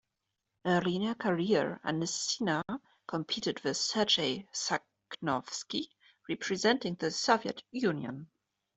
Early in her career, Anissina competed with Sergei Sakhnovski, representing the Soviet Union.